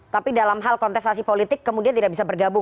tapi dalam hal kontestasi politik kemudian tidak bisa bergabung